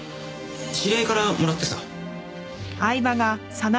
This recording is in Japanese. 知り合いからもらってさ。